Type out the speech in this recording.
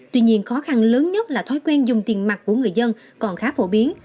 tuy nhiên khó khăn lớn nhất là thói quen dùng tiền mặt của người dân còn khá phổ biến